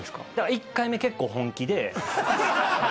１回目結構本気で。